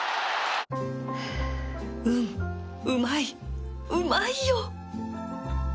うんうまいうまいよ！